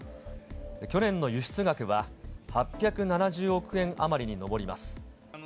去年の輸出額は８７０億円余りに上ります。